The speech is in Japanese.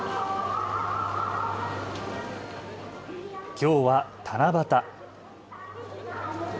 きょうは七夕。